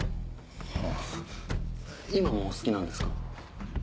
はぁ今も好きなんですか？